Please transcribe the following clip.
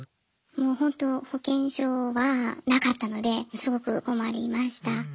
もうほんと保険証はなかったのですごく困りました。